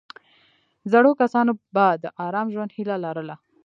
زړو کسانو به د آرام ژوند هیله لرله.